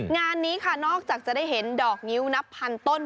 งานนี้ค่ะนอกจากจะได้เห็นดอกนิ้วนับพันต้น